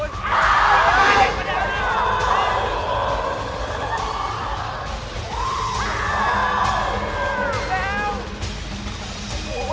แล้วนี่น้องจ้าเอ๋มันเป็นยังไงบ้างวะ